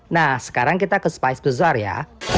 nah sekarang kita ke spice gozar ya